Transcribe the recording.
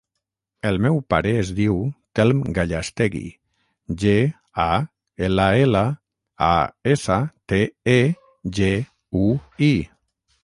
El meu pare es diu Telm Gallastegui: ge, a, ela, ela, a, essa, te, e, ge, u, i.